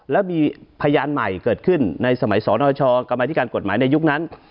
แล้วมีพยานใหม่เกิดขึ้นในสมัยสนชกรรมธิการกฎหมายในยุคนั้น